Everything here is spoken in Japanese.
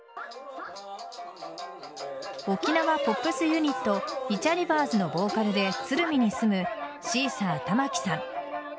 沖縄ポップスユニットイチャリバーズのボーカルで鶴見に住むシーサー玉城さん。